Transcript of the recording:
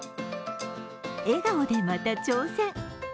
笑顔でまた挑戦。